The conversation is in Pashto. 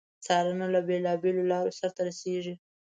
څارنه له بیلو بېلو لارو سرته رسیږي.